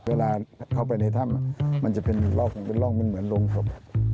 เวลาเข้าไปในถ้ำมันจะเป็นร่องเป็นร่องมันเหมือนโรงศพ